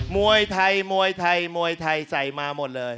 มวยไทยใส่มาหมดเลย